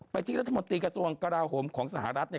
ที่รัฐมนตรีกระทรวงกราโหมของสหรัฐเนี่ย